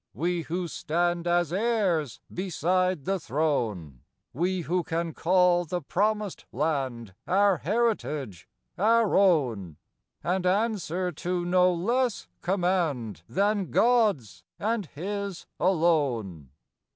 we who stand As heirs beside the Throne ; We who can call the promised Land Our Heritage, our own; And answer to no less command Than God's, and His alone.